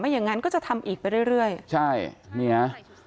ไม่อย่างนั้นก็จะทำอีกไปเรื่อย